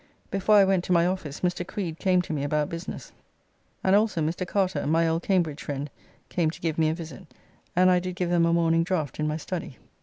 Before I went to my office Mr. Creed came to me about business, and also Mr. Carter, my old Cambridge friend, came to give me a visit, and I did give them a morning draught in my study.